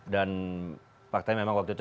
dan partai memang waktu itu